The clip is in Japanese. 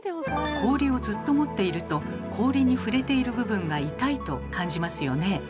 氷をずっと持っていると氷に触れている部分が痛いと感じますよね。